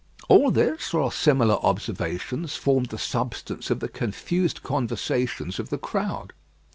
All this, or similar observations, formed the substance of the confused conversations of the crowd.